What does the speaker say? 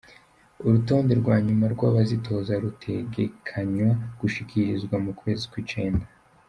Urutonde rwa nyuma rw'abazitoza rutegekanywa gushikirizwa mu kwezi kw'icenda.